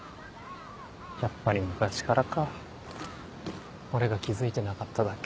やっぱり昔からか俺が気付いてなかっただけ。